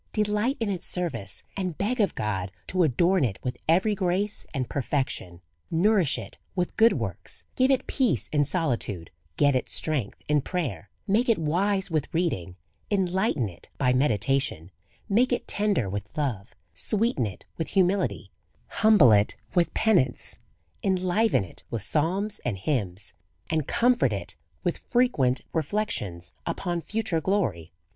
Delight in its service, and beg of God to adorn it with every grace and perfection. Nourish it with good works, give it peace in solitude, get it strength in prayer, make it wise with reading, enlighten it by meditation, make it tender with love, sweeten it with humility, humble it with patience, en liven it with psalms and hymns, and comfort it with frequent reflections upon future glory.